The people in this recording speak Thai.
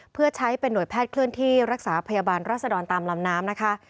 เพื่อใช้เป็นหน่วยแพทย์เคลื่อนที่รักษาพยาบาลราษฎรตามลำน้ำนะคะ